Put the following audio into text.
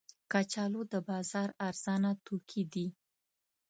کچالو د بازار ارزانه توکي دي